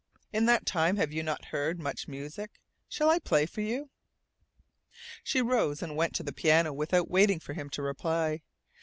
In that time you have not heard much music. Shall I play for you?" She rose and went to the piano without waiting for him to reply.